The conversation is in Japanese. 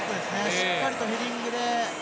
しっかりとヘディングで。